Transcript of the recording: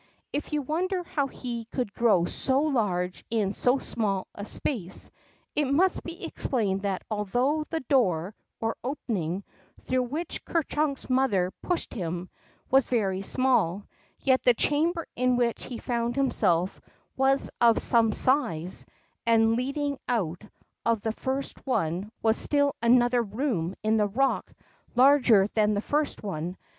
If you wonder how he could grow so large in so small a space, it must he explained that, al though the door, or opening, through which Ker Chunk's mother pushed him, was very small, yet the chamber in which he found himself was of some size, and leading out of the first one was still another room in the rock, larger than the first one.